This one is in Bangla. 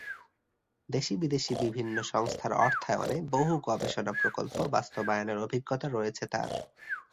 দেশী-বিদেশী বিভিন্ন সংস্থার অর্থায়নে বহু গবেষণা প্রকল্প বাস্তবায়নের অভিজ্ঞতা রয়েছে তার।